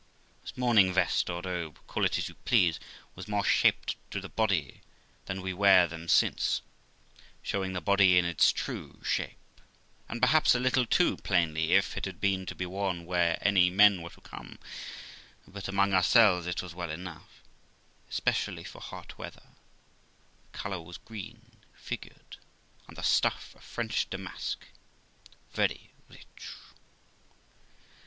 This morning vest, or robe, call it as you please, was more shaped to the body than we wear them since, showing the body in its true shape, and perhaps a little too plainly if it had been to be worn where any men were to come; but among ourselves it was well enough, especially for hot weather; the colour was green, figured, and the stuff a French damask, very rich.